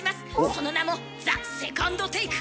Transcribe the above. その名も「ＴＨＥＳＥＣＯＮＤＴＡＫＥ」。